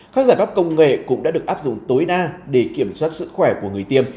các giải pháp công nghệ cũng đã được áp dụng tối đa để kiểm soát sức khỏe của người tiêm